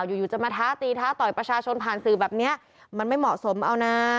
อยู่อยู่จะมาท้าตีท้าต่อยประชาชนผ่านสื่อแบบเนี้ยมันไม่เหมาะสมเอานะ